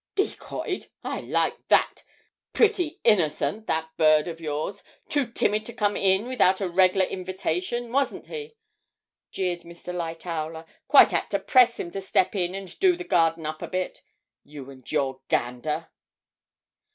'Decoyed? I like that! pretty innercent, that bird of yours! too timid to come in without a reg'lar invitation, wasn't he?' jeered Mr. Lightowler; 'quite 'ad to press him to step in and do the garden up a bit. You and your gander!'